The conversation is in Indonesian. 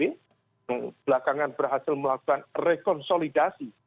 yang belakangan berhasil melakukan rekonsolidasi